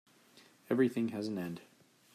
Everything has an end.